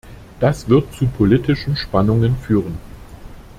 Das wird zu politischen Spannungen führen.